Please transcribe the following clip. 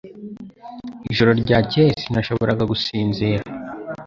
Ijoro ryakeye sinashoboraga gusinzira.